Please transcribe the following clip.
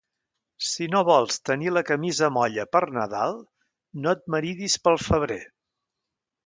Si no vols tenir la camisa molla per Nadal, no et maridis pel febrer.